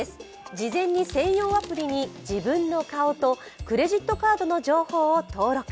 事前に自分の顔とクレジットカードの情報を登録。